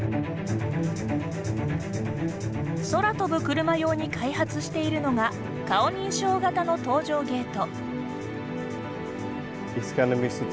空飛ぶクルマ用に開発しているのが顔認証型の搭乗ゲート。